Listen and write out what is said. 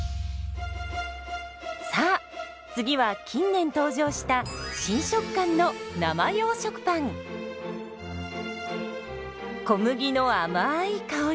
さあ次は近年登場した新食感の小麦のあまい香り。